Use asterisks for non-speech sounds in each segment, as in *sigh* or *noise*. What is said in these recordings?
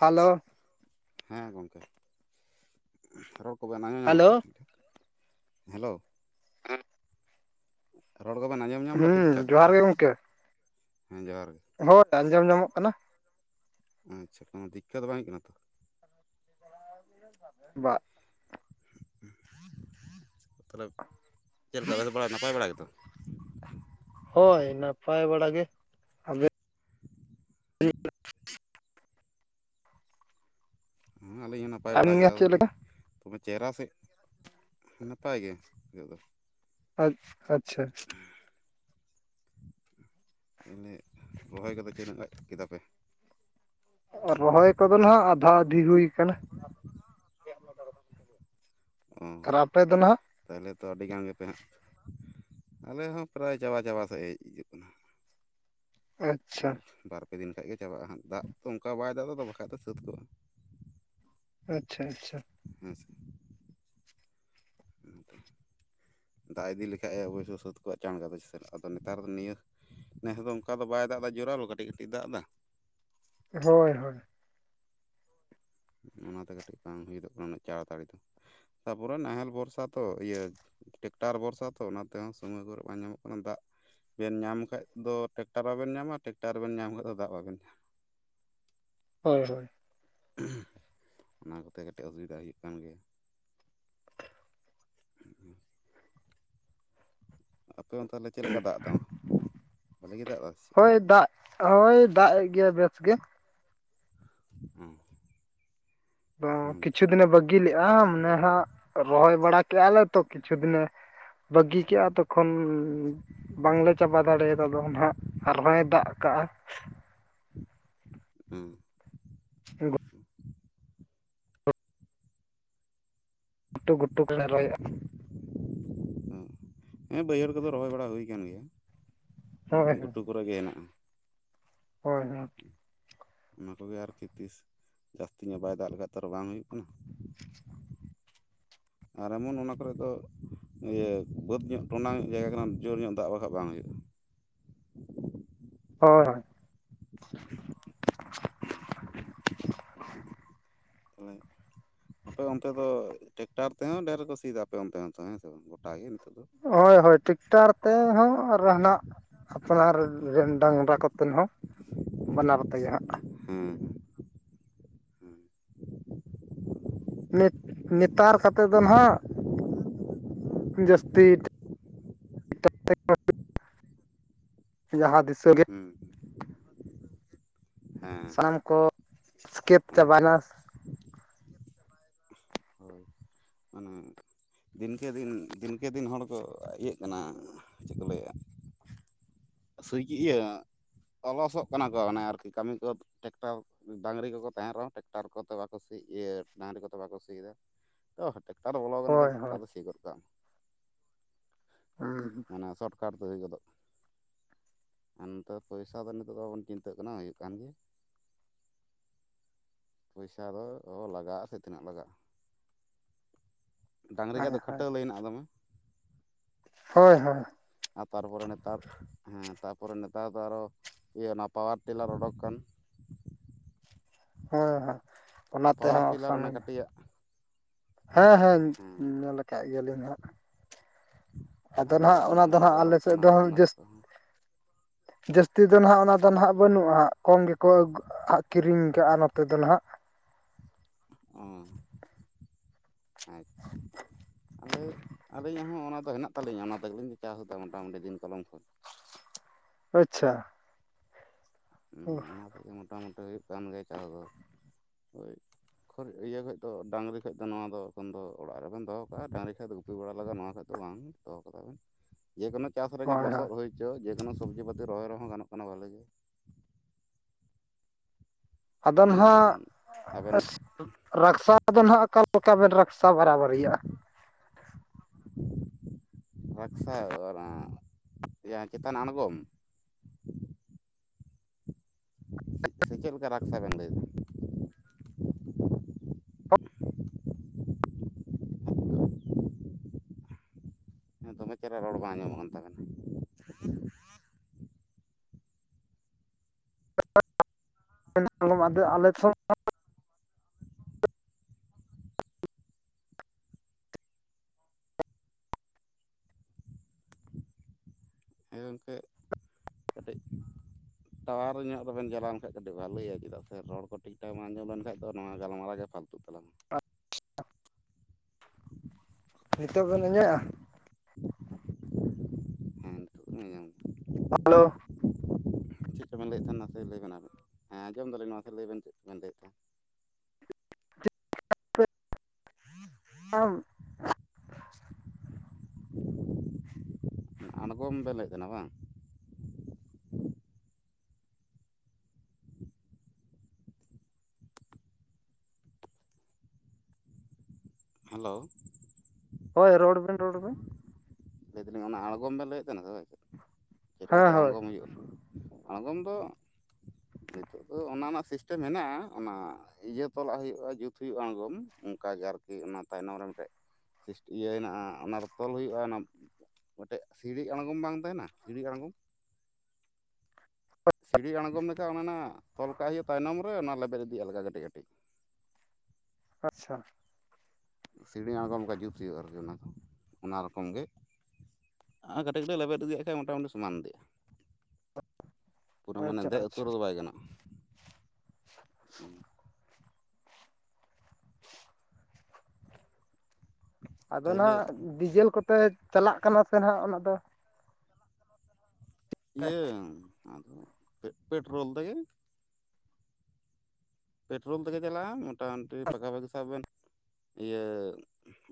Hello. ᱦᱮᱸ ᱜᱚᱢᱠᱮ ᱨᱚᱲ ᱠᱚᱵᱮᱱ ᱟᱸᱡᱚᱢ ᱧᱟᱢ ᱫᱟᱛᱚ ᱴᱷᱤᱠ ᱴᱷᱟᱠ? ᱦᱮᱞᱳ᱾ ᱦᱮᱸ ᱨᱚᱲ ᱠᱚᱵᱮᱱ ᱟᱸᱡᱚᱢ ᱧᱟᱢ ᱫᱟ ᱴᱷᱤᱠ ᱴᱷᱟᱠ, ᱡᱚᱦᱟᱨ ᱜᱮ ᱜᱚᱝᱠᱮ ᱦᱮᱸ, ᱡᱚᱦᱟᱨ ᱜᱮ᱾ ᱦᱳᱭ ᱟᱸᱡᱚᱢ ᱧᱟᱢᱚᱜ ᱠᱟᱱᱟ᱾ ᱟᱪᱪᱷᱟ ᱠᱳᱱᱳ ᱫᱤᱠᱠᱟᱛ ᱫᱚ ᱵᱟᱝ ᱦᱩᱭᱩᱜ ᱠᱟᱱᱟ ᱛᱚ? ᱵᱟ᱾ ᱛᱟᱦᱚᱞᱮ ᱪᱮᱫ ᱞᱮᱠᱟ ᱵᱮᱥ ᱵᱟᱲᱟ ᱱᱟᱯᱟᱭ ᱵᱟᱲᱟ ᱜᱮᱛᱚ? ᱦᱳᱭ ᱱᱟᱯᱟᱭ ᱵᱟᱲᱟ ᱜᱮ᱾ ᱞᱟᱹᱭᱟᱹᱧ ᱯᱮ *unintelligible* ᱦᱮᱸ ᱟᱹᱞᱤᱧ ᱦᱚᱸ ᱱᱟᱯᱟᱭ ᱟᱹᱵᱤᱱ ᱵᱟᱲᱟ ᱜᱮ ᱟᱫᱚ ᱪᱮᱫ ᱠᱟᱹᱴᱤᱡ ᱞᱮᱠᱟ ᱛᱚᱵᱮ ᱪᱮᱦᱨᱟ ᱥᱮᱡ ᱱᱟᱯᱟᱭ ᱜᱮ ᱱᱤᱛᱟᱹᱜ ᱫᱚ᱾ ᱟᱪᱷᱟ ᱟᱪᱪᱷᱟ᱾ ᱛᱟᱦᱞᱮ ᱨᱚᱦᱚᱭ ᱠᱚᱫᱚ ᱪᱮᱫ ᱞᱮᱠᱟ ᱠᱮᱫᱟ ᱯᱮ? ᱨᱚᱦᱚᱭ ᱠᱚᱫᱚ ᱦᱟᱸᱜ ᱟᱫᱷᱟ ᱟᱫᱷᱤ ᱦᱩᱭ ᱠᱟᱱᱟ᱾ ᱟᱨ ᱟᱯᱮ ᱫᱚ ᱱᱟᱦᱟᱜ ᱛᱟᱦᱞᱮ ᱛᱚ ᱟᱹᱰᱤ ᱜᱟᱱ ᱜᱮᱯᱮ ᱦᱟᱸᱜ ᱟᱞᱮ ᱦᱚᱸ ᱯᱨᱟᱭ ᱪᱟᱵᱟ ᱪᱟᱵᱟ ᱥᱮᱫ ᱦᱮᱡ ᱦᱤᱡᱩᱜ ᱠᱟᱱᱟ᱾ ᱟᱪᱪᱷᱟ ᱟᱨ ᱵᱟᱨ ᱯᱮ ᱫᱤᱱ ᱠᱷᱟᱡ ᱜᱮ ᱪᱟᱵᱟᱜᱼᱟ ᱦᱟᱜ ᱫᱟᱜ ᱛᱚ ᱚᱱᱠᱟ ᱵᱟᱭ ᱫᱟᱜ ᱫᱟ ᱛᱚ ᱵᱟᱠᱷᱟᱡ ᱫᱚ ᱥᱟᱹᱛ ᱠᱚᱜᱼᱟ᱾ ᱟᱪᱪᱷᱟ ᱟᱪᱪᱷᱟ᱾ ᱦᱮᱸ ᱥᱮ᱾ ᱚᱱᱛᱮᱼᱼ ᱫᱟᱜ ᱤᱫᱤ ᱞᱮᱠᱷᱟᱡ ᱮ ᱚᱵᱚᱥᱥᱳᱭ ᱥᱟᱹᱛ ᱠᱚᱣᱟᱜ ᱪᱟᱬ ᱜᱮ ᱟᱫᱚ ᱥᱮᱥ ᱟᱫᱚ ᱱᱮᱛᱟᱨ ᱫᱚ ᱱᱤᱭᱟᱹᱼᱼ ᱱᱮᱥ ᱫᱚ ᱚᱱᱠᱟ ᱫᱚ ᱵᱟᱭ ᱫᱟᱜ ᱫᱟ ᱡᱚᱨᱟᱞᱳ ᱠᱟᱹᱴᱤᱡ ᱠᱟᱹᱴᱤᱡ ᱮ ᱫᱟᱜ ᱫᱟ᱾ ᱦᱳᱭ ᱦᱳᱭ᱾ ᱚᱱᱟᱛᱮ ᱠᱟᱹᱴᱤᱡ ᱵᱟᱝ ᱦᱩᱭ ᱦᱚᱫᱚᱜ ᱠᱟᱱᱟ‌ ᱛᱟᱲᱟᱛᱟᱹᱲᱤ ᱫᱚ ᱛᱟᱯᱚᱨᱮ ᱱᱟᱦᱮᱞ ᱵᱷᱚᱨᱥᱟ ᱛᱚ ᱤᱭᱟᱹᱼᱼ ᱴᱮᱠᱴᱟᱨ ᱵᱷᱚᱨᱥᱟ ᱛᱚ ᱚᱱᱟᱛᱮ ᱦᱚᱸ ᱥᱚᱢᱚᱭ ᱠᱚᱨᱮ ᱵᱟᱝ ᱧᱟᱢᱚᱜ ᱠᱟᱱᱟ ᱫᱟᱜᱼᱼ ᱵᱮᱱ ᱧᱟᱢ ᱠᱷᱟᱡ ᱫᱚ ᱴᱮᱠᱴᱟᱨ ᱵᱟᱵᱮᱱ ᱧᱟᱢᱟ ᱴᱮᱠᱴᱟᱨ ᱵᱮᱱ ᱧᱟᱢ ᱠᱷᱟᱡ ᱫᱚ ᱫᱟᱜ ᱵᱟᱵᱮᱱ ᱧᱟᱢᱟ᱾ ᱦᱳᱭ ᱦᱳᱭ᱾ *inaudible* ᱚᱱᱟ ᱠᱚᱛᱮ ᱠᱟᱹᱴᱤᱡ ᱚᱥᱩᱵᱤᱫᱟ ᱦᱩᱭᱩᱜ ᱠᱟᱱ ᱜᱮᱭᱟ᱾ ᱟᱯᱮ ᱚᱱᱛᱮ ᱫᱚ ᱪᱮᱫ ᱞᱮᱠᱟ ᱫᱟᱜ ᱫᱟᱢᱟ ᱵᱷᱟᱹᱞᱤ ᱜᱮ ᱫᱟᱜ ᱫᱟᱭ ᱥᱮ ᱪᱮᱫ? ᱦᱳᱭ ᱫᱟᱜᱼᱼ ᱦᱳᱭ ᱫᱟᱜ ᱮᱫ ᱜᱮᱭᱟᱭ ᱵᱮᱥ ᱜᱮ᱾ ᱦᱩ ᱟ ᱠᱤᱪᱷᱩ ᱫᱤᱱᱮ ᱵᱟᱹᱜᱤ ᱞᱮᱜᱼᱟ ᱢᱟᱱᱮ ᱦᱟᱸᱜ ᱨᱚᱦᱚᱭ ᱵᱟᱲᱟ ᱠᱮᱜᱼᱟ ᱞᱮ ᱛᱚ ᱠᱤᱪᱷᱩ ᱫᱤᱱᱮᱼᱼ ᱵᱟᱹᱜᱤ ᱠᱮᱫᱼᱟ ᱛᱚᱠᱷᱚᱱᱼᱼ ᱵᱟᱝᱞᱮ ᱪᱟᱵᱟ ᱫᱟᱲᱮᱭᱟᱫᱟ ᱫᱚ ᱱᱟᱦᱟᱜ ᱟᱨᱦᱚᱸᱭ ᱫᱟᱜ ᱠᱟᱜᱼᱟ᱾ ᱦᱩᱸ᱾ *inaudible* ᱜᱷᱩᱴᱩ ᱜᱷᱩᱴᱩ ᱠᱚᱞᱮ ᱨᱚᱦᱚᱭ‌ᱮᱜ-ᱟ᱾ ᱩᱸ ᱵᱟᱹᱭᱦᱟᱹᱲ ᱠᱚᱫᱚ ᱨᱚᱦᱚᱭ ᱵᱟᱲᱟ ᱦᱩᱭ ᱠᱟᱱ ᱜᱮᱭᱟ᱾ ᱦᱳᱭ ᱜᱷᱩᱴᱩ ᱠᱚᱨᱮ *unintelligible* ᱜᱮ ᱦᱮᱱᱟᱜᱼᱟ ᱦᱳᱭ ᱦᱚᱸ ᱚᱱᱟ ᱠᱚᱜᱮ ᱟᱨᱠᱤ ᱛᱤᱥ? ᱡᱟᱹᱥᱛᱤ ᱧᱚᱜ ᱵᱟᱭ ᱫᱟᱜ ᱞᱮᱠᱷᱟᱡ ᱛᱚ ᱟᱨ ᱵᱟᱝ ᱦᱩᱭᱩᱜ ᱠᱟᱱᱟ᱾ ᱟᱨ ᱮᱢᱚᱱ ᱚᱱᱟ ᱠᱚᱨᱮ ᱫᱚ ᱤᱭᱟᱹ ᱵᱟᱹᱫ ᱧᱚᱜ ᱴᱚᱸᱰᱟᱝ ᱧᱚᱜ ᱡᱟᱭᱜᱟ ᱠᱟᱱᱟ ᱡᱳᱨ ᱧᱚᱜ ᱫᱟᱜ ᱵᱟᱠᱷᱟᱡ ᱵᱟᱝ ᱦᱩᱭᱩᱜᱼᱟ᱾ ᱦᱳᱭ ᱦᱚ ᱦᱩᱸ *unintelligible* ᱛᱟᱦᱚᱞᱮ ᱟᱯᱮ ᱚᱱᱛᱮ ᱫᱚ ᱴᱮᱠᱴᱟᱨ ᱛᱮᱦᱚᱸ ᱰᱷᱮᱨ ᱜᱮᱠᱚ ᱥᱤᱭᱫᱟ ᱟᱯᱮ ᱚᱱᱛᱮ ᱦᱚᱸᱛᱚ ᱦᱮᱸ ᱥᱮ ᱵᱟᱝ ᱜᱚᱴᱟ ᱜᱮ ᱱᱤᱛᱚᱜ ᱫᱚ ᱦᱳᱭ ᱦᱳᱭ ᱴᱩᱠᱴᱟᱨ ᱛᱮᱼᱦᱚᱸ ᱟᱨᱦᱚᱸ ᱱᱟᱜ ᱟᱯᱱᱟᱨ ᱨᱮᱱ ᱰᱟᱝᱨᱟ ᱠᱚᱛᱮᱱ ᱦᱚᱸ ᱵᱟᱱᱟᱨ‌ ᱛᱮᱜᱮ ᱦᱟᱸᱜ ᱦᱩᱸ ᱦᱩᱸ ᱱᱤᱛ ᱱᱮᱛᱟᱨ ᱠᱟᱛᱮᱫ ᱫᱚ ᱱᱟ ᱦᱟᱸᱜ ᱡᱟᱹᱥᱛᱤ *unintelligible* ᱡᱟᱦᱟᱸ ᱫᱤᱥᱟᱹᱜᱮ ᱦᱮᱸ ᱦᱮᱸ ᱥᱟᱱᱟᱢ ᱠᱚ ᱥᱠᱮᱯ ᱚᱱ ᱪᱟᱵᱟᱱᱟᱥ ᱦᱳᱭ ᱚᱱᱮ ᱫᱤᱱᱠᱮ ᱫᱤᱱ ᱫᱤᱱᱠᱮ ᱫᱤᱱ ᱦᱚᱲ ᱠᱚ ᱤᱭᱟᱹᱜ ᱠᱟᱱᱟ ᱪᱮᱫ ᱠᱚ ᱞᱟᱹᱭᱮᱜᱼᱟ? ᱥᱩᱡ ᱤᱭᱟᱹᱼᱟᱸᱜ ᱚᱞᱚᱥᱚᱜ ᱠᱟᱱᱟ ᱠᱚ ᱚᱱᱮ ᱟᱨᱠᱤ ᱠᱟᱹᱢᱤ ᱠᱚ ᱴᱮᱠᱴᱟᱨ ᱰᱟᱝᱨᱤ ᱠᱚᱠᱚ ᱛᱟᱦᱮᱱ ᱨᱮᱦᱚᱸ ᱴᱮᱠᱴᱟᱨ ᱠᱚᱛᱮ ᱵᱟᱠᱚ ᱥᱤ ᱤᱭᱟᱹ ᱰᱟᱝᱨᱤ ᱠᱚᱛᱮ ᱵᱟᱠᱚ ᱥᱤᱭᱫᱟ᱾ ᱚ ᱴᱮᱠᱴᱟᱨ ᱵᱚᱞᱚ ᱠᱟᱱᱟ ᱛᱚ ᱦᱳᱭ ᱱᱤᱛᱚᱜ ᱦᱳᱭ ᱛᱟᱦᱚᱞᱮ ᱥᱤ ᱜᱚᱫ ᱠᱟᱜ ᱢᱮ ᱦᱩᱸ ᱢᱟᱱᱮ ᱥᱚᱴ ᱠᱟᱴ ᱛᱮ ᱦᱩᱭ ᱜᱚᱫᱚᱜ ᱢᱟ᱾ ᱚᱱᱛᱮ ᱯᱚᱭᱥᱟ ᱫᱚ ᱱᱤᱛᱚᱜ ᱫᱚ ᱵᱟᱵᱚᱱ ᱪᱤᱱᱛᱟᱹᱜ ᱠᱟᱱᱟ ᱦᱳᱭᱩᱜ ᱠᱟᱱ ᱜᱮ᱾ ᱯᱚᱭᱥᱟ ᱫᱚ ᱚ ᱞᱟᱜᱟᱜᱼᱟ ᱥᱮ ᱛᱤᱱᱟᱹᱜ ᱞᱟᱜᱟᱜᱼᱟ᱾ ᱰᱟᱝᱨᱤ ᱠᱷᱟᱡ ᱦᱳᱭ ᱫᱚ ᱦᱳᱭ ᱠᱷᱟᱴᱟᱹᱞᱤ ᱦᱮᱱᱟᱜᱼᱟ ᱫᱚᱢᱮ᱾ ᱦᱳᱭ ᱦᱳᱭ ᱟᱨ ᱛᱟᱨᱯᱚᱨᱮ ᱱᱮᱛᱟᱨ ᱦᱩᱸ ᱛᱟᱨᱯᱚᱨᱮ ᱱᱮᱛᱟᱨ ᱫᱚ ᱟᱨᱚ ᱤᱭᱟᱹ ᱚᱱᱟ ᱯᱟᱣᱟᱨ ᱴᱮᱞᱟᱨ ᱚᱰᱳᱠ ᱠᱟᱱ ᱦᱳᱭ ᱦᱳᱭ ᱚᱱᱟ ᱯᱟᱣᱟᱨ ᱛᱮᱦᱚᱸ ᱴᱤᱞᱟᱨ ᱚᱯᱥᱟᱱ ᱚᱱᱟ ᱜᱮ᱾ ᱠᱟᱹᱴᱤᱡᱟᱜ ᱦᱮᱸ ᱦᱮᱸ ᱧᱮᱞ ᱟᱠᱟᱜ ᱜᱮᱭᱟᱞᱤᱧ ᱱᱟᱼᱦᱟᱸᱜ᱾ ᱟᱫᱚ ᱱᱟ ᱦᱳᱭ ᱦᱟᱸᱜ ᱚᱱᱮ ᱚᱱᱟ ᱫᱚᱦ ᱠᱚᱜᱮ ᱱᱟᱸᱜ ᱟᱞᱮ ᱚᱰᱳᱠ ᱥᱮᱫ ᱠᱟᱱᱟ ᱟᱫᱚ ᱫᱚᱦᱚᱸ ᱚᱱᱟ ᱡᱟᱹᱥ ᱠᱚᱦᱚᱸ ᱡᱟᱹᱥᱛᱤ ᱫᱚ ᱱᱟᱦᱟᱜ ᱚᱱᱟ ᱫᱚ ᱱᱟᱦᱟᱜ ᱵᱟᱹᱱᱩᱜᱼᱟ ᱠᱚᱢ ᱜᱮᱠᱚ ᱟᱜ ᱠᱤᱨᱤᱧ ᱠᱟᱜᱼᱟ ᱱᱚᱛᱮ ᱫᱚ ᱱᱟᱦᱟᱜ᱾ ᱚᱸ ᱟᱪᱪᱷᱟ ᱟᱞᱮ ᱟᱹᱞᱤᱧᱟᱜ ᱦᱚᱸ ᱚᱱᱟ ᱫᱚ ᱦᱮᱱᱟᱜ ᱛᱟᱞᱤᱧᱟ ᱚᱱᱟ ᱛᱮᱜᱮ ᱞᱤᱧ ᱪᱟᱥ ᱮᱫᱟ ᱢᱚᱴᱟᱢᱩᱴᱤ ᱫᱤᱱ ᱠᱟᱞᱚᱢ ᱠᱷᱚᱱ᱾ ᱟᱪᱪᱷᱟ ᱦᱩᱸ ᱦᱳᱭ ᱚᱱᱟ ᱛᱮᱜᱮ ᱢᱚᱴᱟ ᱢᱩᱴᱤ ᱦᱩᱭᱩᱜ ᱠᱟᱱ ᱜᱮᱭᱟ ᱪᱟᱥ ᱫᱚ ᱦᱳᱭ ᱠᱷᱩᱨ ᱤᱭᱟᱹ ᱠᱷᱚᱡ ᱫᱚ ᱰᱟᱹᱝᱨᱤ ᱠᱷᱚᱡ ᱫᱚ ᱱᱚᱣᱟ ᱫᱚ ᱮᱠᱷᱚᱱ ᱫᱚ ᱚᱲᱟᱜ ᱨᱮᱜᱤᱧ ᱫᱚᱦᱚ ᱠᱟᱜᱼᱟ ᱰᱟᱝᱨᱤ ᱠᱷᱚᱡ ᱫᱚ ᱩ ᱛᱩ ᱵᱟᱞᱟ ᱵᱮᱱ ᱮᱢᱟ ᱠᱷᱟᱡ ᱛᱚ ᱵᱟᱝ ᱫᱚᱦᱚ ᱠᱟᱫᱟ ᱵᱤᱱ᱾ ᱡᱮᱠᱳᱱᱳ ᱪᱟᱥ ᱨᱮᱜᱮ ᱞᱚᱥᱚᱫ ᱦᱳᱭ ᱦᱩᱭᱪᱚ ᱡᱮᱠᱳᱱᱳ ᱥᱚᱵᱽᱡᱤ ᱯᱟᱹᱛᱤ ᱨᱚᱦᱚᱭ ᱨᱮᱦᱚᱸ ᱜᱟᱱᱚᱜ ᱠᱟᱱᱟ ᱵᱷᱟᱞᱤ ᱜᱮ᱾ ᱟᱵᱮᱚᱴᱱ ᱱᱚᱜᱼᱚᱭ ᱦᱟᱸᱜ ᱡᱮᱢᱚᱱ ᱟᱵᱮᱱ *unintelligible* ᱨᱟᱠᱥᱟ ᱫᱚᱦ ᱱᱟᱜ ᱚᱠᱟᱮᱠᱟ ᱵᱮᱱ ᱨᱟᱠᱥᱟ ᱵᱟᱨᱟᱵᱟᱨᱤᱭᱟᱜᱼᱟ? *inaudible* ᱨᱟᱠᱥᱟ ᱚᱨ ᱟᱸ ᱮᱸᱭᱟ ᱪᱮᱛᱟᱱ ᱟᱬᱜᱚᱢ? ᱥᱮ ᱪᱮᱫ ᱞᱮᱠᱟ ᱨᱟᱠᱥᱟᱵᱚᱱ ᱫᱷᱚᱱ? ᱸ ᱫᱚᱢᱮ ᱪᱮᱦᱨᱟ ᱨᱚᱲ ᱵᱟᱝ ᱟᱸᱡᱚᱢᱚᱜ ᱠᱟᱱ ᱛᱟᱵᱮᱱᱟ *unintelligible* ᱠᱷᱚᱱ ᱦᱮᱸ ᱜᱚᱝᱠᱮ ᱠᱟᱹᱴᱤᱡ ᱴᱟᱣᱟᱨ ᱧᱚᱜ ᱨᱮᱵᱮᱱ ᱪᱟᱞᱟᱣᱱ ᱠᱷᱟᱱᱡ ᱠᱟᱹᱴᱤᱡ ᱵᱷᱟᱞᱮᱭᱟ ᱪᱮᱫᱟᱜ ᱥᱮ ᱨᱚᱲ ᱠᱚ ᱴᱷᱤᱠ ᱴᱷᱟᱠ ᱵᱟᱝ ᱟᱡᱚᱢ ᱞᱮᱱᱠᱷᱟᱱᱡ ᱫᱚ ᱱᱚᱣᱟ ᱜᱟᱞᱢᱟᱨᱟᱜ ᱜᱮ ᱯᱷᱟᱞᱛᱚ ᱟ ᱛᱞᱟᱝ ᱱᱤᱛᱚᱜ ᱵᱮᱱ ᱤᱧᱟᱹᱜᱼᱟ ᱦᱮᱸ ᱱᱤᱛᱚᱜ ᱟᱡᱚᱢ ᱜᱮ ᱦᱮᱞᱳ ᱪᱮᱫ ᱠᱚᱵᱮᱱ ᱞᱟᱹᱭᱮᱫ ᱛᱟᱦᱮᱱᱟ ᱱᱟ ᱞᱟᱹᱭ ᱵᱮᱵ ᱦᱮᱸ ᱚᱡᱟᱢ ᱫᱟᱞᱤᱧ ᱱᱚᱣᱟ ᱞᱟᱹᱭ ᱪᱮᱫᱵᱮᱱ ᱞᱟᱹᱭᱮᱫ ᱛᱟᱦᱮᱸᱱᱟ *unintelligible* ᱟᱢ *inaudible* ᱟᱬᱜᱚᱢ ᱵᱮᱱ ᱞᱟᱹᱭᱮᱫ ᱛᱟᱦᱮᱱᱟ ᱵᱟᱝ? ᱦᱮᱞᱳ ᱦᱳᱭ ᱨᱚᱲ ᱵᱮᱱ ᱨᱚᱲ ᱵᱮᱱ ᱞᱟᱹᱭ ᱫᱟᱞᱤᱧ ᱚᱱᱟ ᱟᱬᱜᱚᱢ ᱵᱮᱱ ᱞᱟᱹᱭᱮᱫ ᱛᱟᱦᱮᱱᱟ ᱪᱮᱫ ᱦᱮᱸ ᱞᱮᱠᱟᱛᱮ ᱦᱳᱭ ᱟᱬᱜᱚᱢ ᱦᱩᱭᱩᱜᱼᱟ ᱟᱬᱜᱚᱢ ᱫᱚ ᱱᱤᱛᱳᱜ ᱫᱚ ᱚᱱᱟ ᱢᱟ ᱥᱤᱥᱴᱮᱢ ᱦᱮᱱᱟᱜᱼᱟ ᱚᱱᱟ ᱤᱭᱟᱹ ᱛᱚᱞᱟᱜ ᱦᱩᱭᱩᱜᱼᱟ ᱡᱩᱛ ᱦᱩᱭᱩᱜᱼᱟ ᱟᱬᱜᱚᱢ ᱚᱱᱠᱟ ᱜᱮ ᱟᱨᱠᱤ ᱚᱱᱟ ᱛᱟᱭᱱᱚᱢ ᱨᱮ ᱢᱤᱫᱴᱮᱡ ᱤᱭᱟᱹ ᱦᱮᱱᱟᱜᱼᱟ ᱚᱱᱟᱨᱮ ᱛᱚᱞ ᱦᱩᱭᱩᱜᱼᱟ ᱚᱱᱟ ᱢᱤᱫᱴᱮᱱ ᱥᱤᱲᱤ ᱟᱬᱜᱚᱢ ᱵᱟᱝ ᱛᱟᱦᱮᱱᱟ ᱥᱤᱲᱤ ᱟᱲᱬᱜᱚᱢ ᱥᱤᱲᱤ ᱟᱬᱜᱚᱢ ᱞᱮᱠᱟ ᱚᱱᱟ ᱨᱮᱱᱟᱜ ᱛᱚᱞ ᱠᱟᱜ ᱦᱩᱭᱩᱜ ᱛᱟᱭᱱᱚᱢ ᱨᱮ ᱚᱱᱟ ᱞᱮᱵᱮᱫ ᱤᱫᱤᱭᱟᱜ ᱟᱞᱜᱷᱟ ᱠᱟᱹᱴᱤᱡ ᱠᱟᱹᱴᱤᱡ ᱟᱪᱪᱷᱟ ᱥᱤᱲᱤ ᱟᱬᱜᱚᱢ ᱞᱮᱠᱟ ᱡᱩᱛ ᱦᱩᱭᱩᱜᱼᱟ ᱟᱨᱠᱤ ᱚᱱᱟ ᱫᱚ ᱚᱱᱟ ᱨᱚᱠᱚᱢ ᱜᱮ ᱟᱨ ᱠᱟᱹᱴᱤᱡ ᱠᱟᱹᱴᱤᱡ ᱞᱮᱵᱮᱫ ᱤᱫᱮᱜ ᱠᱷᱟᱡ ᱢᱚᱴᱟᱢᱩᱴᱤ ᱥᱚᱢᱟᱱ ᱤᱫᱤᱜᱼᱟ ᱯᱩᱨᱟᱹ ᱢᱟᱱᱮ ᱟᱪᱪᱷᱟ ᱫᱮᱡ ᱩᱛᱚᱨ ᱟᱪᱪᱷᱟ ᱦᱟ ᱵᱟᱭ ᱜᱟᱱᱚᱜᱼᱟ ᱟᱫᱚ ᱱᱟᱜ ᱛᱟᱦᱚᱞᱮ ᱰᱤᱡᱮᱞ ᱠᱚᱛᱮ ᱪᱟᱞᱟᱜ ᱠᱟᱱᱟ ᱥᱮ ᱦᱱᱟᱜ ᱚᱱᱟ ᱫᱚ ᱤᱭᱟᱹ ᱟᱫᱚ ᱯᱮᱴᱨᱳᱞ ᱛᱮᱜᱮ ᱯᱮᱴᱨᱳᱞ ᱛᱮᱜᱮ ᱪᱟᱞᱟᱜᱼᱟ ᱢᱚᱴᱟᱢ ᱢᱩᱩᱴᱤ ᱯᱟᱠᱟᱷᱟ ᱯᱟᱠᱤ ᱥᱟᱵ ᱵᱮᱱ ᱤᱭᱟᱹ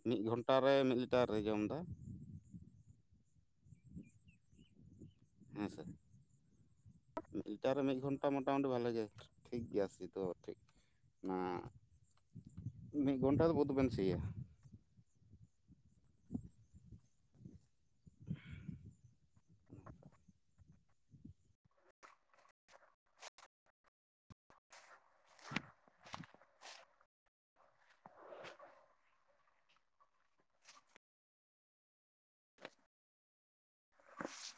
ᱢᱤᱫ ᱜᱷᱚᱱᱴᱟ ᱨᱮ ᱢᱤᱫ ᱞᱤᱴᱟᱨ ᱨᱮ ᱡᱚᱢ ᱮᱫᱟ ᱦᱮᱸ ᱥᱮ ᱢᱤᱫᱴᱟᱨ ᱨᱮ ᱢᱤᱫ ᱜᱷᱚᱱᱴᱟ ᱢᱳᱴᱟᱢᱩᱴᱤ ᱵᱷᱟᱞᱮ ᱜᱮ। ᱴᱷᱤᱠ ᱜᱮᱭᱟ ᱥᱤ ᱛᱚ ᱴᱷᱤᱠ। ᱚᱱᱟ ᱢᱤᱫ ᱜᱷᱚᱱᱴᱟ ᱫᱚ ᱵᱟᱹᱫ ᱵᱮᱱ ᱥᱤᱭᱟ।